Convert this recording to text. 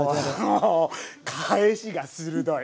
おお返しが鋭い！